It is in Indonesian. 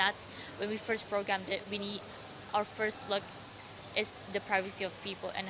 jadi saat kita memprogramnya pertama kita perlu melihat kewangan orang orang